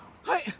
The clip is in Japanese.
はい。